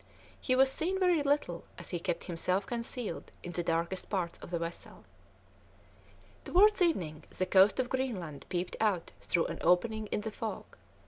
He was seen very little, as he kept himself concealed in the darkest parts of the vessel. Towards evening the coast of Greenland peeped out through an opening in the fog.